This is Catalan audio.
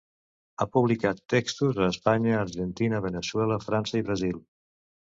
Ha publicat textos a Espanya, Argentina, Veneçuela, França i Brasil.